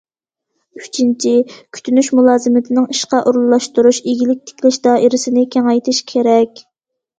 ئۈچىنچى، كۈتۈنۈش مۇلازىمىتىنىڭ ئىشقا ئورۇنلاشتۇرۇش، ئىگىلىك تىكلەش دائىرىسىنى كېڭەيتىش كېرەك.